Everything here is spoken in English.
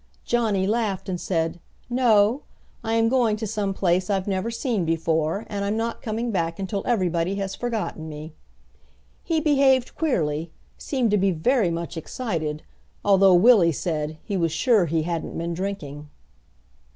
Johnny laughed and said, 'No. I am going to some place I've never seen before, and I'm not coming back until everybody has forgotten me.' He behaved queerly, seemed to be very much excited; although, Willie said, he was sure he hadn't been drinking.